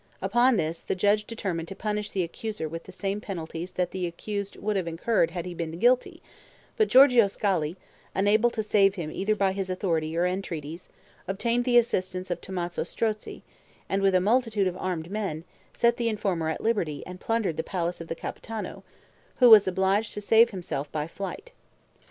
Upon this, the judge determined to punish the accuser with the same penalties that the accused would have incurred had he been guilty, but Giorgio Scali, unable to save him either by his authority or entreaties, obtained the assistance of Tommaso Strozzi, and with a multitude of armed men, set the informer at liberty and plundered the palace of the Capitano, who was obliged to save himself by flight.